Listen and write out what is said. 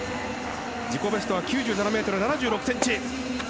自己ベストは９７ｍ７６ｃｍ。